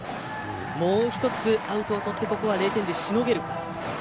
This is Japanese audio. もう１つアウトをとって０点でしのげるか。